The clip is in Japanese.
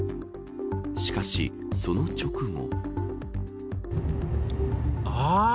しかし、その直後。